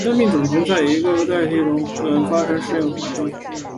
生命种群则在一代代个体的更替中经过自然选择发生进化以适应环境。